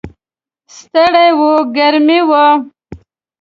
ستړي و، ګرمي وه.